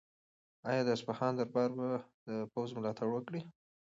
آیا د اصفهان دربار به د پوځ ملاتړ وکړي؟